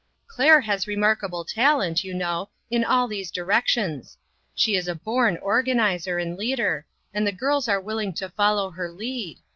" Claire has remarkable talent, you know, in all these directions. She is a born organizer, and leader, and the girls are will ing to follow her lead.